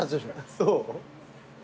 そう？